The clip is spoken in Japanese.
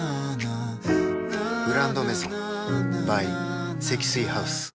「グランドメゾン」ｂｙ 積水ハウス